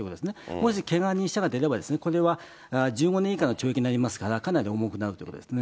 もしけが人、死者が出れば、これは１５年以下の懲役になりますから、かなり重くなるということですね。